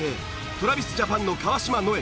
ＴｒａｖｉｓＪａｐａｎの川島如恵